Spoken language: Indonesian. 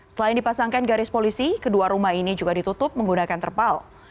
selain dipasangkan garis polisi kedua rumah ini juga ditutup menggunakan terpal